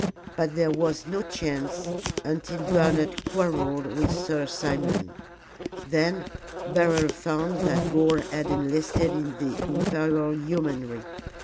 But there was no chance until Bernard quarrelled with Sir Simon. Then Beryl found that Gore had enlisted in the Imperial Yeomanry.